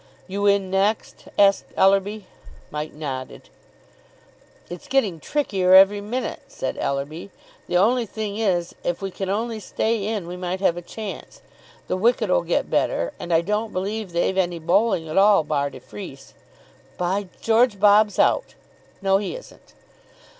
"You in next?" asked Ellerby. Mike nodded. "It's getting trickier every minute," said Ellerby. "The only thing is, if we can only stay in, we might have a chance. The wicket'll get better, and I don't believe they've any bowling at all bar de Freece. By George, Bob's out!... No, he isn't."